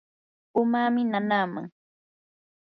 umami nanaaman.